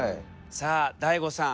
さあＤＡＩＧＯさん